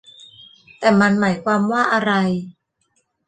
แต่มันหมายความว่าอะไร